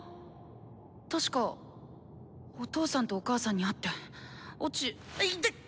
確かお父さんとお母さんに会って落ちいでっ！